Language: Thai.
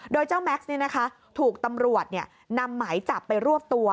โดยเจ้าแม็กซ์ถูกตำรวจนำหมายจับไปรวบตัว